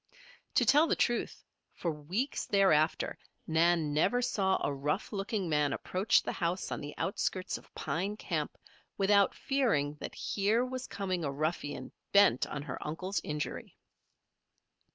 To tell the truth, for weeks thereafter, Nan never saw a rough looking man approach the house on the outskirts of Pine Camp, without fearing that here was coming a ruffian bent on her uncle's injury.